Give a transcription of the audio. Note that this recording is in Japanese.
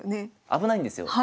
危ないんですよ。